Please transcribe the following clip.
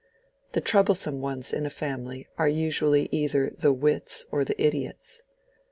The troublesome ones in a family are usually either the wits or the idiots.